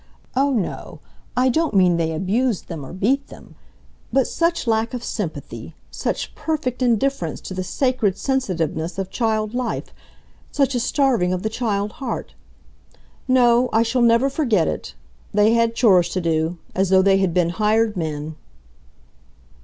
... Oh, no, I don't mean they abused them or beat them ... but such lack of sympathy, such perfect indifference to the sacred sensitiveness of child life, such a starving of the child heart ... No, I shall never forget it! They had chores to do ... as though they had been hired men!"